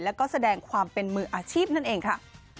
แล้วก็แสดงความเป็นมืออาชีพนั่นเองค่ะ